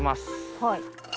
はい。